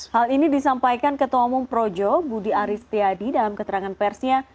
hal ini disampaikan ketua umum projo budi aristiadi dalam keterangan persnya